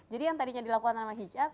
jadi yang tadinya dilakukan sama hitch up